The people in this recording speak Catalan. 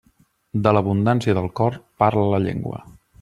De l'abundància del cor, parla la llengua.